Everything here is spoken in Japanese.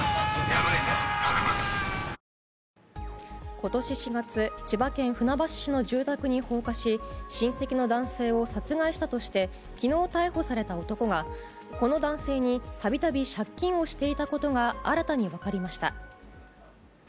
今年４月千葉県船橋市の住宅に放火し親戚の男性を殺害したとして昨日逮捕された男がこの男性に度々借金をしていたことが新たに分かりました。